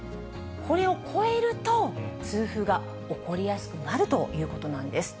これを超えると、痛風が起こりやすくなるということなんです。